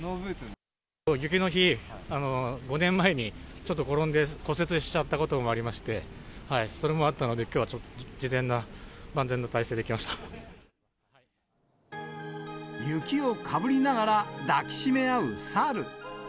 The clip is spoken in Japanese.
雪の日、５年前に、ちょっと転んで骨折しちゃったこともありまして、それもあったので、きょうはちょっと、雪をかぶりながら抱き締め合うサル。